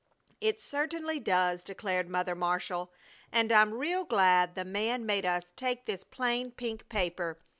"It certainly does!" declared Mother Marshall. "And I'm real glad the man made us take this plain pink paper.